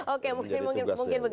oke mungkin begitu